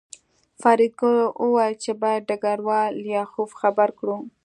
فریدګل وویل چې باید ډګروال لیاخوف خبر کړو